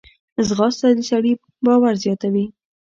ځغاسته د سړي باور زیاتوي